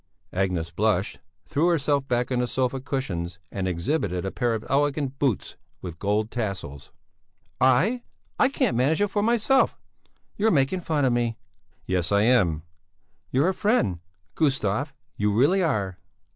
Agnes blushed, threw herself back on the sofa cushions and exhibited a pair of elegant little boots with gold tassels. "I? I can't manage it for myself! You're making fun of me!" "Yes, I am!" "You're a friend, Gustav, you really are!"